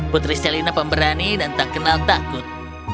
putri selina pemberani dan tak kenal takut